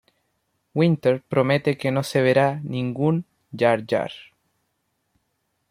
Winter promete que no se verá "ningún Jar Jar".